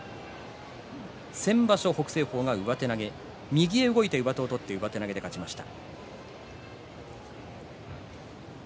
先場所は北青鵬が上手投げ右へ動いて上手を取って上手投げで勝ちました。